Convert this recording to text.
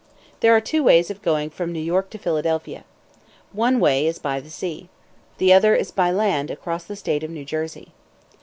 There are two ways of going from New York to Philadelphia. One way is by the sea. The other is by land, across the state of New Jersey.